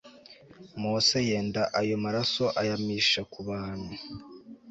mose yenda ayo maraso ayamisha ku bantu